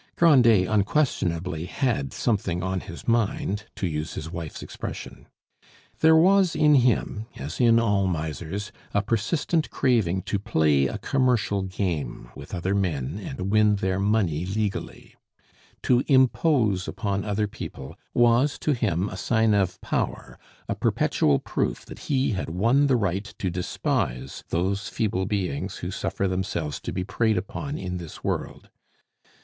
Grandet unquestionably "had something on his mind," to use his wife's expression. There was in him, as in all misers, a persistent craving to play a commercial game with other men and win their money legally. To impose upon other people was to him a sign of power, a perpetual proof that he had won the right to despise those feeble beings who suffer themselves to be preyed upon in this world.